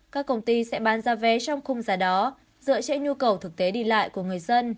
các công ty sẽ bán ra vé trong khung giá đó dựa trên nhu cầu thực tế đi lại của người dân